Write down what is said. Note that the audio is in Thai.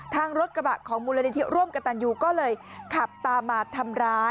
ทางรถกระบะของมูลนิธิร่วมกับตันยูก็เลยขับตามมาทำร้าย